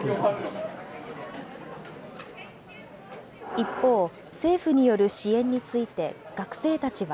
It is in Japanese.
一方、政府による支援について、学生たちは。